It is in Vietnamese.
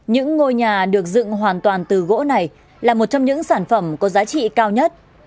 những ngôi nhà được dựng hoàn toàn từ gỗ này là một trong những sản phẩm có giá trị cao nhất